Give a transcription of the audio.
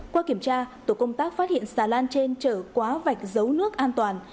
qua kiểm tra tổ công tác phát hiện xà lan trên chở quá vạch giấu nước an toàn